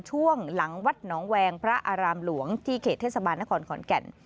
ช่วงหลังวัดหนองแวงพระอารามหลวงที่เขตเทศบาลนครขอนแก่น